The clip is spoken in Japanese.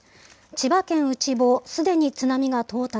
千葉県内房、すでに津波が到達。